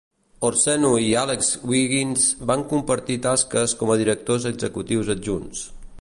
Orseno i Alex Wiggins van compartir tasques com a directors executius adjunts.